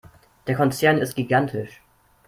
Der Konzern ist gigantisch.